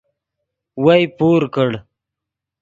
وئے پور کڑ